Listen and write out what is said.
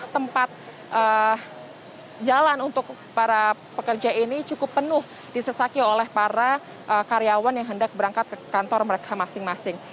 tempat jalan untuk para pekerja ini cukup penuh disesaki oleh para karyawan yang hendak berangkat ke kantor mereka masing masing